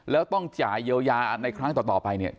แล้วต้องจ่ายเยียวยาในครั้งต่อไปเนี่ย